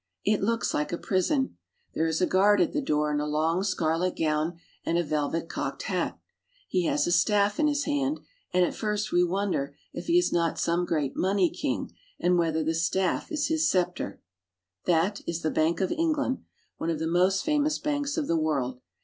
It looks like a prison. There is a guard at the door in a long scarlet gown and a velvet cocked hat. He has a staff in his hand, and at first we wonder if he is not some great money king and whether the staff is his scepter. That is the Bank of England, one of the most famous banks of the world.